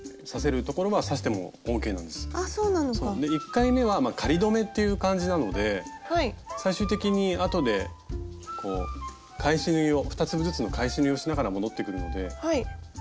１回めは仮留めっていう感じなので最終的にあとでこう返し縫いを２粒ずつの返し縫いをしながら戻ってくるのでそんなに気にせずに。